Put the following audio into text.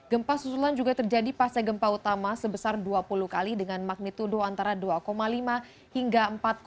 gempa susulan juga terjadi pasca gempa utama sebesar dua puluh kali dengan magnitudo antara dua lima hingga empat lima